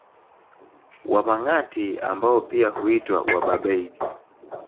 Wamangati ambao pia huitwa Wabarbaig